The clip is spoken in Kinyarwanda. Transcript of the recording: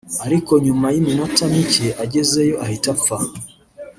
ariko nyuma y’iminota mike agezeyo ahita apfa